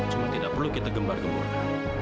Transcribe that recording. cuma tidak perlu kita gembar gembarkan